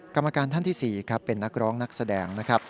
กรรมการท่านที่๔ครับเป็นนักร้องนักแสดงนะครับ